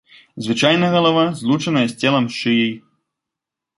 Звычайна галава злучаная з целам шыяй.